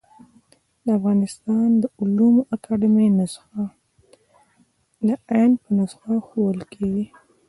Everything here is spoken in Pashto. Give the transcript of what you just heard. د افغانستان د علومو اکاډيمۍ نسخه د ع په نخښه ښوول کېږي.